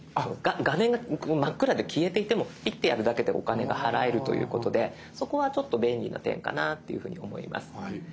画面が真っ暗で消えていてもピッてやるだけでお金が払えるということでそこはちょっと便利な点かなっていうふうに思います。